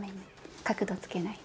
角度つけない。